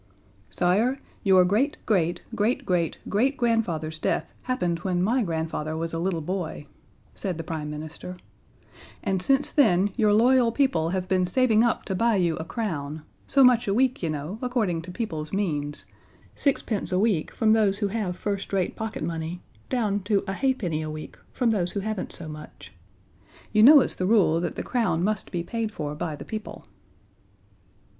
"Sire, your great great great great great grandfather's death happened when my grandfather was a little boy," said the Prime Minister, "and since then your loyal people have been saving up to buy you a crown so much a week, you know, according to people's means sixpence a week from those who have first rate pocket money, down to a halfpenny a week from those who haven't so much. You know it's the rule that the crown must be paid for by the people."